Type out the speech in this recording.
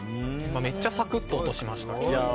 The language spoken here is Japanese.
めっちゃサクッて音しました。